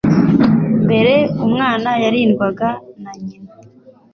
Mbere, umwana yarindwaga na nyina.